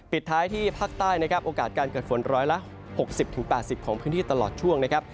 ท้ายที่ภาคใต้นะครับโอกาสการเกิดฝนร้อยละ๖๐๘๐ของพื้นที่ตลอดช่วงนะครับ